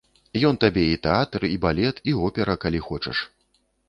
Ён табе і тэатр, і балет, і опера, калі хочаш.